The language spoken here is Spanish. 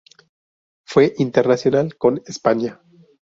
Fue internacional con España.